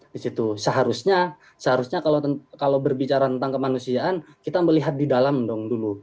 di situ seharusnya kalau berbicara tentang kemanusiaan kita melihat di dalam dong dulu